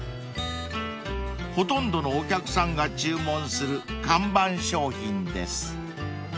［ほとんどのお客さんが注文する看板商品です］